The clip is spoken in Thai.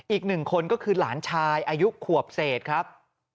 อีกหนึ่งคนก็คือหลานชายอายุขวบเศษครับ